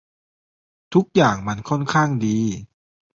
ทุกอย่างมันค่อนข้างดี